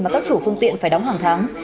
mà các chủ phương tiện phải đóng hàng tháng